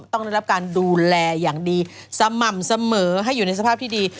ต้องได้รับการดูแลอย่างดีสม่ำเสมอให้อยู่ในสภาพที่ดี